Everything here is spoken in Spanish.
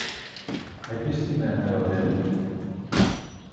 ¿Hay piscina en el hotel?